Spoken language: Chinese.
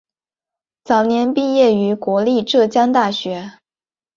早年毕业于国立浙江大学。